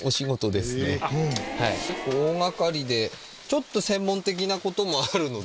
大掛かりでちょっと専門的な事もあるので。